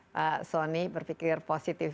pak soni berpikir positif